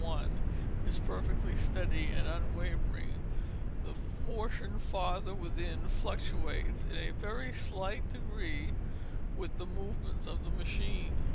1, is perfectly steady and unwavering, the portion farther within fluctuates, in a very slight degree, with the movements of the machine.